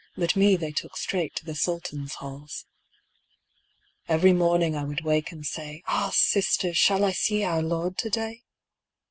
But me they took straight to the Sultan's halls. Every morning I would wake and say : "Ah, sisters, shall I see our Lord to day?"